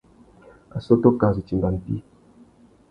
Assôtô kā zu timba mpí.